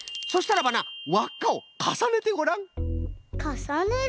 そしたらばなわっかをかさねてごらん！